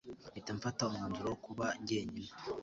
mpita mfata umwanzuro wo kuba njyenyine